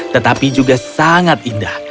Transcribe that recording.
tetapi juga sangat indah